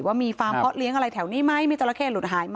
ว่ามีฟาร์มเพาะเลี้ยงอะไรแถวนี้ไหมมีจราเข้หลุดหายไหม